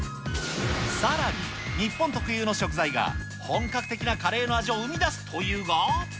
さらに、日本特有の食材が、本格的なカレーの味を生み出すというが。